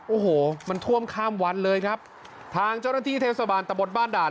โอ้โหมันท่วมข้ามวันเลยครับทางเจ้าหน้าที่เทศบาลตะบนบ้านด่าน